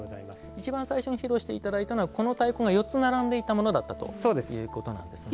いちばん最初に披露していただいたのはこの太鼓が４つ並んでいたものだということなんですね。